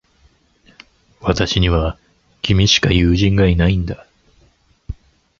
私には、君しか友人がいないんだ。